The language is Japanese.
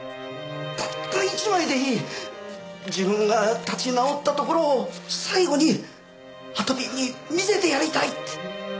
たった１枚でいい自分が立ち直ったところを最後にあとぴんに見せてやりたいって。